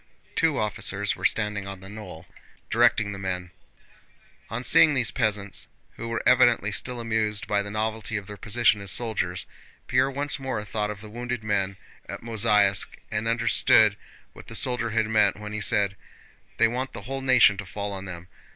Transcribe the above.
Two officers were standing on the knoll, directing the men. On seeing these peasants, who were evidently still amused by the novelty of their position as soldiers, Pierre once more thought of the wounded men at Mozháysk and understood what the soldier had meant when he said: "They want the whole nation to fall on them."